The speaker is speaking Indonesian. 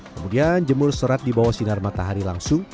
kemudian jemur serat di bawah sinar matahari langsung